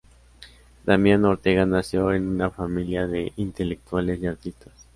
Damián Ortega nació en una familia de intelectuales y artistas.